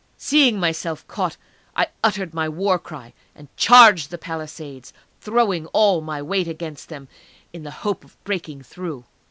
Seeing myself caught, I uttered my war cry, and charged the palisades, throwing all my weight against them, in the hope of breaking through.